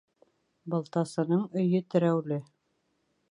Балтасының өйө терәүле.